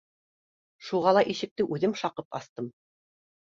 Шуға ла ишекте үҙем шаҡып астым: